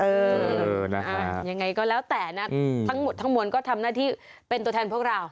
ยังไงก็แล้วแต่นะทั้งหมดทั้งมวลก็ทำหน้าที่เป็นตัวแทนพวกเรา